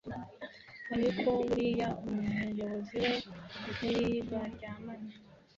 ariko buriya umuybozi we ntibaryamana